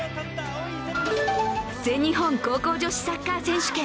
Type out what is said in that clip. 全日本高校女子サッカー選手権。